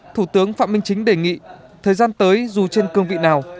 thủ tướng phạm minh chính đề nghị thời gian tới dù trên cương vị nào